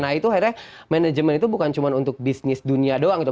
nah itu akhirnya manajemen itu bukan cuma untuk bisnis dunia doang gitu